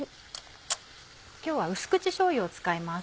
今日は淡口しょうゆを使います。